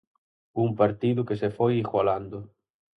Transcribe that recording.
Un partido que se foi igualando.